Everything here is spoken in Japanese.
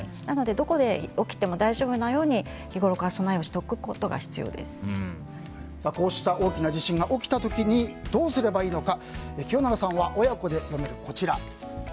どこで起きても大丈夫なように日ごろから備えをしておくことがこうした大きな地震が起きた時どうすればいいのか清永さんは親子で読める